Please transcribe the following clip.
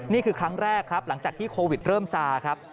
นี่คือครั้งแรกครับหลังจากที่โควิดเริ่มซาครับ